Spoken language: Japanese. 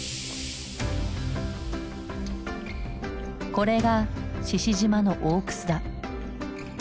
これが志々島の大くすだ。